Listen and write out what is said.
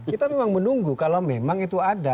kita memang menunggu kalau memang itu ada